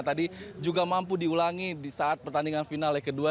tadi juga mampu diulangi di saat pertandingan final leg kedua